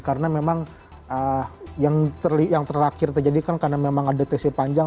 karena memang yang terakhir terjadi kan karena memang ada tesir panjang